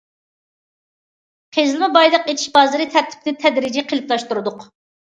قېزىلما بايلىق ئېچىش بازىرى تەرتىپىنى تەدرىجىي قېلىپلاشتۇردۇق.